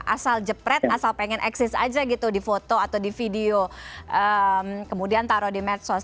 asal jepret asal pengen eksis aja gitu di foto atau di video kemudian taruh di medsos